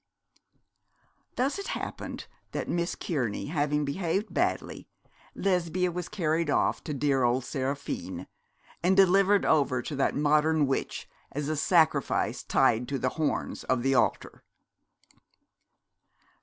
Thus it happened that, Miss Kearney having behaved badly, Lesbia was carried off to dear old Seraphine, and delivered over to that modern witch, as a sacrifice tied to the horns of the altar.